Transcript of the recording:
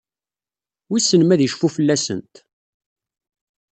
Wissen ma ad icfu fell-asent?